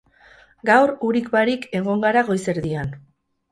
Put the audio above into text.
Gaur urik barik egon gara goiz erdian.